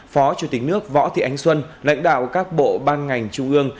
phó chủ tịch nước võ thị ánh xuân lãnh đạo các bộ ban ngành trung ương